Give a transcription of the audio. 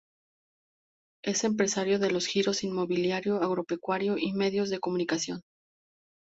Es empresario de los giros inmobiliario, agropecuario y medios de comunicación.